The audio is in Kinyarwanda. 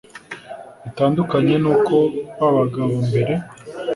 bitandukanye n’uko babagaho mbere